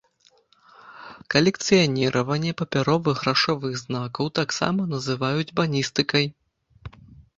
Калекцыяніраванне папяровых грашовых знакаў таксама называюць баністыкай.